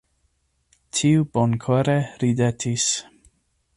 Tiu bonkore ridetis.